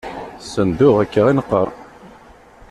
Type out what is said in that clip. Sendu akka i neqqar.